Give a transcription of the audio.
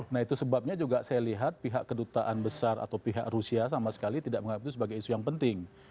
nah itu sebabnya juga saya lihat pihak kedutaan besar atau pihak rusia sama sekali tidak menganggap itu sebagai isu yang penting